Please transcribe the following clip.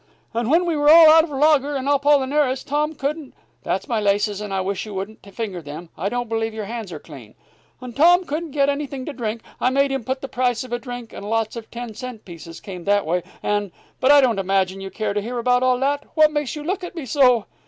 "And when we were all out of lager and apollinaris, and Tom couldn't that's my laces, and I wish you wouldn't finger them; I don't believe your hands are clean and Tom couldn't get anything to drink, I've made him put in the price of a drink, and lots of ten cent pieces came that way, and But I don't imagine you care to hear about all that. What makes you look at me so?"